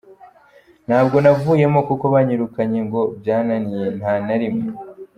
Ntabwo navuyemo kuko banyirukanye ngo byananiye, nta na rimwe.